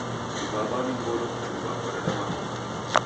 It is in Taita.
Kuw'aw'a ni ngolo kuchumba kwareda makongo.